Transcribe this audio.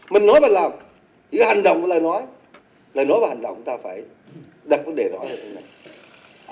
mình nói mà làm những hành động mà lại nói lại nói và hành động ta phải đặt vấn đề rõ hơn